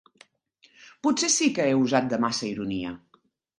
Potser sí que he usat de massa ironia